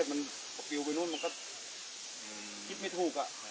ถ้าเกิดมันคิดไม่ถูก